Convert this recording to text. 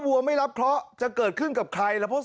วัวไม่รับเคราะห์จะเกิดขึ้นกับใครแล้วเพราะ